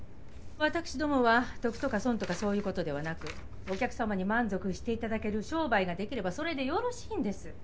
私どもは得とか損とかそういうことではなくお客さまに満足していただける商売ができればそれでよろしいんです。